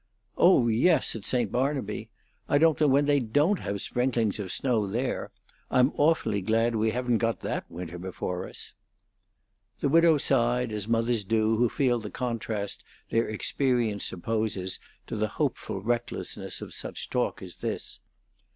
"Oh yes, at St. Barnaby! I don't know when they don't have sprinklings of snow there. I'm awfully glad we haven't got that winter before us." The widow sighed as mothers do who feel the contrast their experience opposes to the hopeful recklessness of such talk as this.